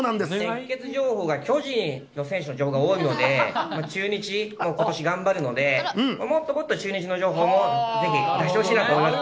熱ケツ情報が巨人の選手の情報が多いので、中日もことし頑張るので、もっともっと中日の情報もぜひ出してほしいなと思います。